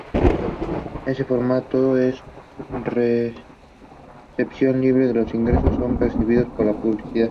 Este formato es de recepción libre los ingresos son percibidos por la publicidad.